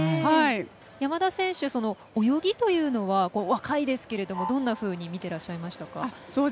山田選手、泳ぎというのは若いですけれどもどんなふうに見てらっしゃいましたか？